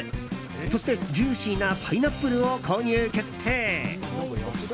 そして、ジューシーなパイナップルを購入決定。